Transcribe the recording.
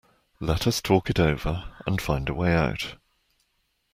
Let us talk it over and find a way out.